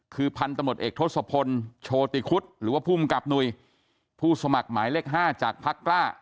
คือพันธุ์ตำรวจเอกทศพลโชติคุศหรือว่าภูมิกับหนุ่ยผู้สมัครหมายเลข๕จากพักกล้า